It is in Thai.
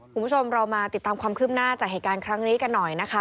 คุณผู้ชมเรามาติดตามความคืบหน้าจากเหตุการณ์ครั้งนี้กันหน่อยนะคะ